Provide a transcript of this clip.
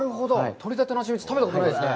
取れたてのハチミツ、食べたことないですね。